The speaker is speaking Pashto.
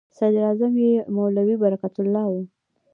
صدراعظم یې مولوي برکت الله و.